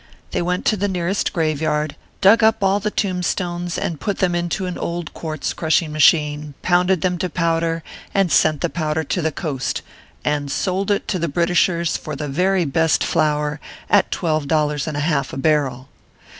They went into the nearest graveyard, dug up all the tombstones, and put them into an old quartz crushing machine, pounded them to powder, sent the powder to the coast, and and sold it to the Britishers for the very best flour, at twelve dollars and a half a barrel